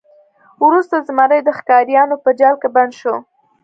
وروسته زمری د ښکاریانو په جال کې بند شو.